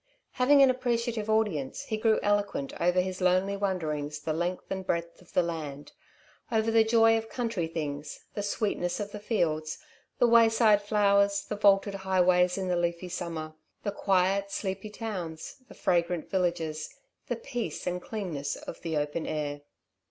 Having an appreciative audience, he grew eloquent over his lonely wanderings the length and breadth of the land; over the joy of country things, the sweetness of the fields, the wayside flowers, the vaulted highways in the leafy summer, the quiet, sleepy towns, the fragrant villages, the peace and cleanness of the open air.